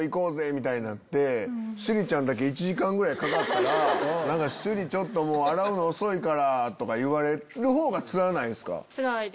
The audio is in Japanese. みたいになってシュリちゃんだけ１時間ぐらいかかったら「シュリちょっと洗うの遅いから」とか言われるほうがつらないですか？